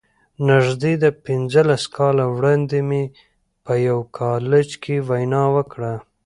نږدې پينځلس کاله وړاندې مې په يوه کالج کې وينا وکړه.